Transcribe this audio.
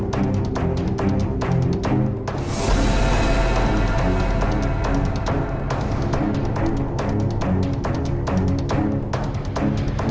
tuyul gimbalnya ada di sini